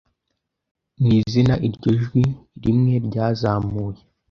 Mw'izina iryo jwi rimwe ryazamuye